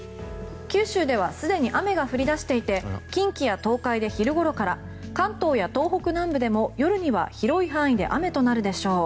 九州ではすでに雨が降り出していて近畿や東海で昼ごろから関東や東北南部でも夜には広い範囲で雨となるでしょう。